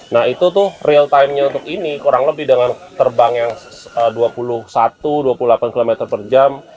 nah itu tuh real timenya untuk ini kurang lebih dengan terbang yang dua puluh satu dua puluh delapan km per jam